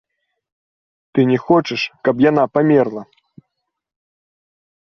Ты не хочаш, каб яна памерла!